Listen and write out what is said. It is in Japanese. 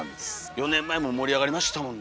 ４年前も盛り上がりましたもんねむちゃくちゃ。